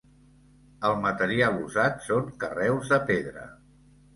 El material usat són carreus de pedra.